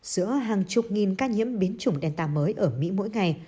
giữa hàng chục nghìn ca nhiễm biến chủng delta mới ở mỹ mỗi ngày